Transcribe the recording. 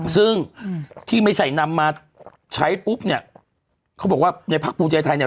ซึ่งที่ไม่ใช่นำมาใช้ปุ๊บเนี่ยเขาบอกว่าในภาคภูมิใจไทยเนี่ย